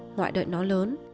ngoại đợi nó lớn